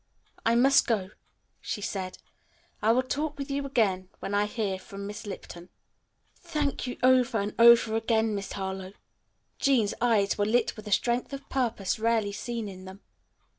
"I must go," she said. "I will talk with you again when I hear from Miss Lipton." "Thank you over and over again, Miss Harlowe." Jean's eyes were lit with a strength of purpose rarely seen in them.